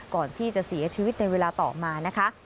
ก่อนที่จะเสียชีวิตในเวลาต่อมานะคะ